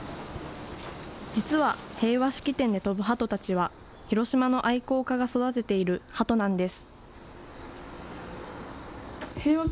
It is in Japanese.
実は、平和式典で飛ぶハトたちは、広島の愛好家が育てているハトなんです。